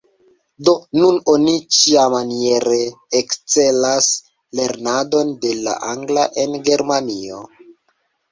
Do nun oni ĉiamaniere akcelas lernadon de la angla en Germanio.